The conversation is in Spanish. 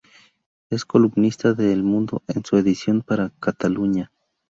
Es columnista de El Mundo, en su edición para Cataluña.